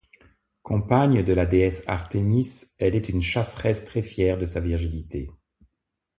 Compagne de la déesse Artémis, elle est une chasseresse très fière de sa virginité.